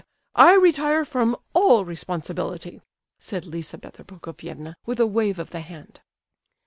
I retire from all responsibility," said Lizabetha Prokofievna, with a wave of the hand.